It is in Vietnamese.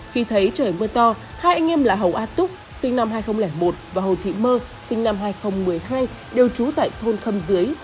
khi thấy trời mưa to hai anh em là hầu a túc sinh năm hai nghìn một và hồ thị mơ sinh năm hai nghìn một mươi hai đều trú tại thôn khâm dưới